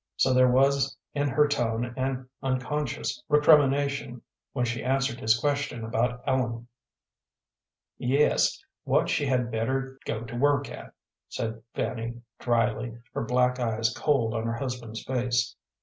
So there was in her tone an unconscious recrimination when she answered his question about Ellen. "Yes what she had better go to work at," said Fanny, dryly, her black eyes cold on her husband's face.